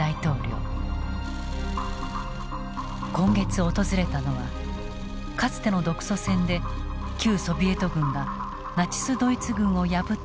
今月訪れたのはかつての独ソ戦で旧ソビエト軍がナチス・ドイツ軍を破った激戦地。